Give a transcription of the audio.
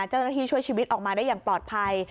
เจ้าหน้าที่ช่วยชีวิตออกมาได้อย่างปลอดภัย